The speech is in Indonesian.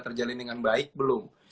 terjalin dengan baik belum